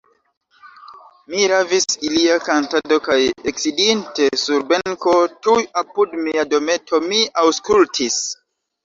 Min ravis ilia kantado, kaj eksidinte sur benko tuj apud mia dometo, mi aŭskultis.